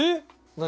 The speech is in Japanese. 何？